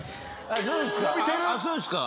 あっそうですか？